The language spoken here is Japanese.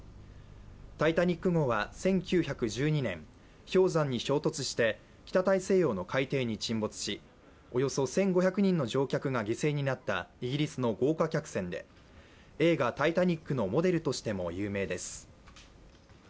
「タイタニック」号は１９１２年、氷山に衝突して北大西洋の海底に沈没しおよそ１５００人の乗客が犠牲になったイギリスの豪華客船で映画「タイタニック」のモデルとしても有名です。